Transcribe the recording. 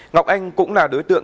ngọc anh cũng là đối tượng